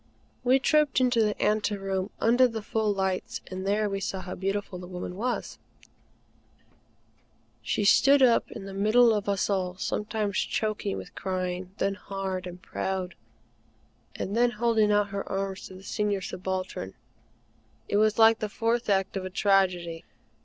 We trooped into the ante room, under the full lights, and there we saw how beautiful the woman was. She stood up in the middle of us all, sometimes choking with crying, then hard and proud, and then holding out her arms to the Senior Subaltern. It was like the fourth act of a tragedy.